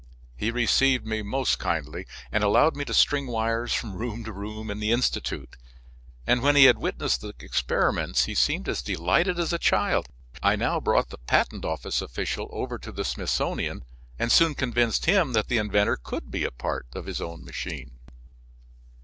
He received me most kindly, and allowed me to string wires from room to room in the institute, and when he had witnessed the experiments he seemed as delighted as a child. I now brought the patent office official over to the Smithsonian and soon convinced him that the inventor could be a part of his own machine.